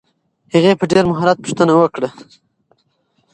هغې په ډېر مهارت پوښتنه وکړه.